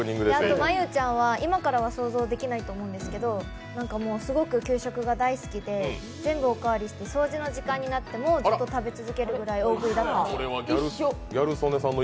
真悠ちゃんは今からは想像できないと思うんですけどすごく給食が大好きで、全部お代わりして、掃除の時間になってもずっと食べ続けるぐらい大食いだったそうです。